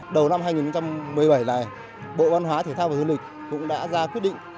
đầu năm hai nghìn một mươi bảy này bộ văn hóa thể thao và du lịch cũng đã ra quyết định